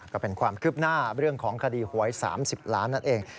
ก็เป็นความคืบหน้าเรื่องของคดีหวย๓๐ล้านนั่นเอง